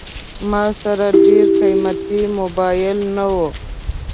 ما سره ډېر قیمتي موبایل نه و.